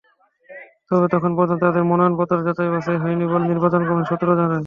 তবে তখন পর্যন্ত তাঁদের মনোনয়নপত্র যাচাই-বাছাই হয়নি বলে নির্বাচন কমিশন সূত্র জানায়।